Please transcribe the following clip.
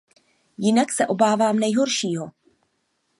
Jinak se obávám nejhoršího.